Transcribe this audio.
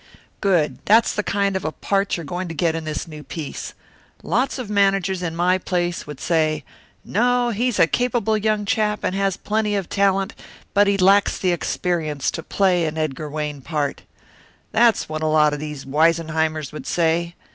"Good! That's the kind of a part you're going to get in this new piece. Lots of managers in my place would say 'No he's a capable young chap and has plenty of talent, but he lacks the experience to play an Edgar Wayne part.' That's what a lot of these Wisenheimers would say.